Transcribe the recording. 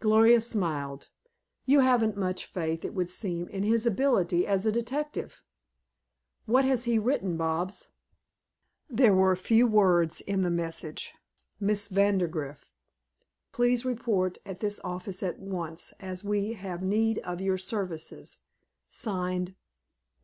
Gloria smiled. "You haven't much faith, it would seem, in his ability as a detective. What has he written, Bobs?" There were few words in the message: "Miss Vandergrift, please report at this office at once, as we have need of your services. Signed.